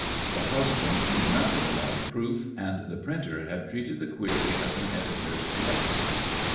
The husband knew nothing about a proof, and the printer had treated the query as an editor's correction.